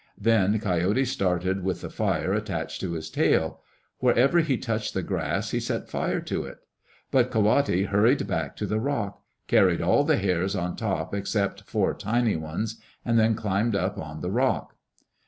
Then Coyote started with the fire attached to his tail. Wherever he touched the grass, he set fire to it. But Ka wate hurried back to the rock, carried all the hares on top except four tiny ones, and then climbed up on the rock.